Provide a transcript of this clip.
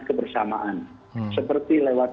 kebersamaan seperti lewat